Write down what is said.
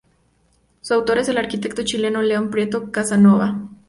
Su autor es el arquitecto chileno León Prieto Casanova.